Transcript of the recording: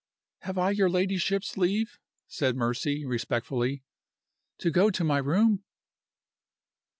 "Have I your ladyship's leave," said Mercy, respectfully, "to go to my room?"